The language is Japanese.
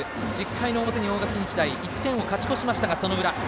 １０回の表、大垣日大１点を勝ち越しましたが。